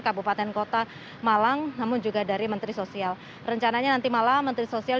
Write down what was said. kabupaten kota malang namun juga dari menteri sosial rencananya nanti malam menteri sosial